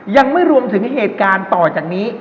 ยังไม่รวมถึงเหตุการณ์ต่อจากนี้